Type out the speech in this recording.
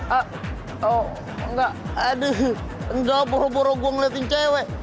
ah oh enggak aduh enggak boro boro gue ngeliatin cewek